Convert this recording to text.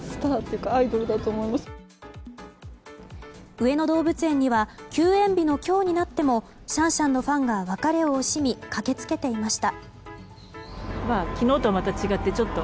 上野動物園には休園日の今日になってもシャンシャンのファンが別れを惜しみ駆けつけていました。